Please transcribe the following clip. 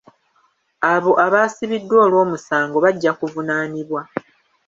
Abo abaasibiddwa olw'omusango bajja kuvunaanibwa